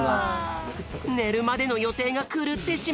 ねるまでのよていがくるってしまった！